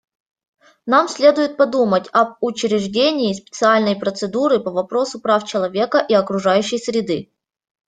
Нам следует подумать об учреждении специальной процедуры по вопросу прав человека и окружающей среды.